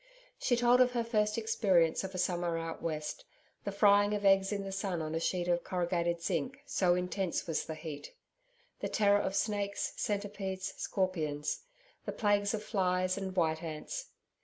She told of her first experience of a summer out West. The frying of eggs in the sun on a sheet of corrugated zinc, so intense was the heat. The terror of snakes, centipedes, scorpions. The plagues of flies and white ants.